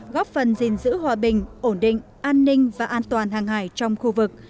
góp phần gìn giữ hòa bình ổn định an ninh và an toàn hàng hải trong khu vực